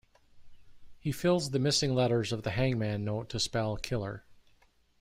He fills the missing letters of the hangman note to spell killer.